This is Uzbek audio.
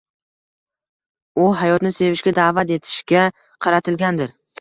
U hayotni sevishga da’vat etishga qaratilgandir.